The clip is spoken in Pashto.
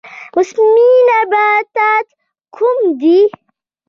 موسمي نباتات کوم دي؟